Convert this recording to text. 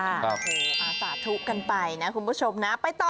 โอ้โหอาสาธุกันไปนะคุณผู้ชมนะไปต่อ